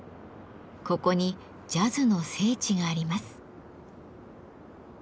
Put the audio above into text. ここにジャズの聖地があります。